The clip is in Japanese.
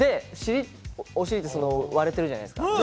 お尻って割れてるじゃないですか。